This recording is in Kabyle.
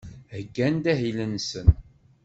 Heyyan-d ahil-nsen.